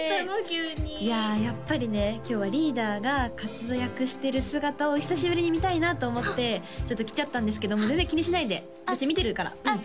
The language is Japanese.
急にいややっぱりね今日はリーダーが活躍してる姿を久しぶりに見たいなと思ってちょっと来ちゃったんですけど全然気にしないで私見てるからあっ